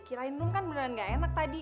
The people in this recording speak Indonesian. kirain lu kan beneran ga enak tadi